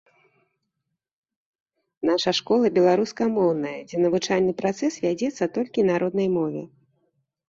Наша школа беларускамоўная, дзе навучальны працэс вядзецца толькі на роднай мове.